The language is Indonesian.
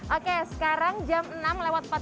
oke sekarang jam enam empat puluh enam